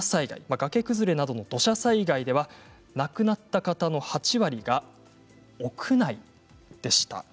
崖崩れなどの土砂災害で亡くなった方の８割が屋内でした。